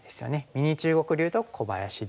ミニ中国流と小林流。